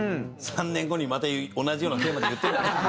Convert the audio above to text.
３年後にまた同じようなテーマで言ってるんじゃない？